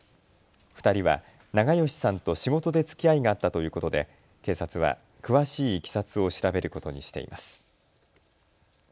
２人は長葭さんと仕事でつきあいがあったということで警察は詳しいいきさつを調べることにしています。